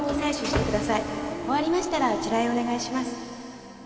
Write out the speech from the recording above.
終わりましたらあちらへお願いします